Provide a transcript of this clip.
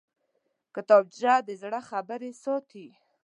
کتابچه د زړه خبرې ساتي